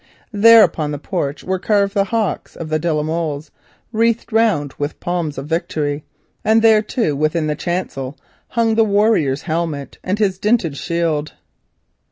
There, upon the porch, were carved the "hawks" of the de la Molles, wreathed round with palms of victory; and there, too, within the chancel, hung the warrior's helmet and his dinted shield.